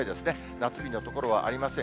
夏日の所はありません。